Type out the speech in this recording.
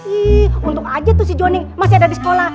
ih untung aja tuh si joni masih ada di sekolah